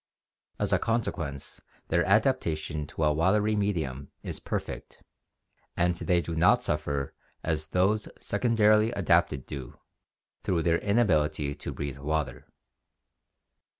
As a consequence their adaptation to a watery medium is perfect and they do not suffer as those secondarily adapted do through their inability to breathe water.